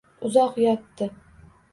Uzoq yotdi.